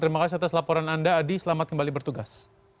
terima kasih atas laporan anda adi selamat kembali bertugas